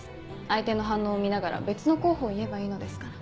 相手の反応を見ながら別の候補を言えばいいのですから。